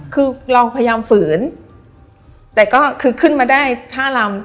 คือเราพยายามฝืนแต่ก็คือขึ้นมาได้ท่าลำ